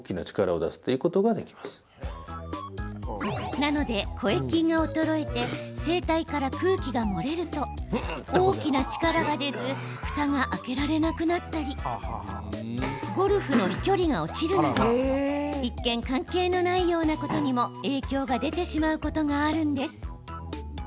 なので、声筋が衰えて声帯から空気が漏れると大きな力が出ずふたが開けられなくなったりゴルフの飛距離が落ちるなど一見、関係のないようなことにも影響が出てしまうことがあるんです。